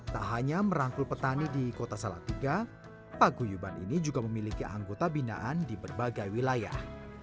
tak hanya merangkul petani di kota salatiga paguyuban ini juga memiliki anggota binaan di berbagai wilayah